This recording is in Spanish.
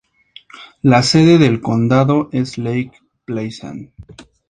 La sede del condado es Lake Pleasant.